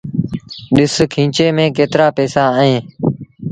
ڏس کينچي ميݩ ڪيترآ پئيٚسآ اهيݩ۔